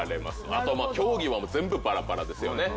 あと競技も全部バラバラですよね。